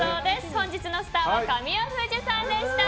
本日のスターは神尾楓珠さんでした。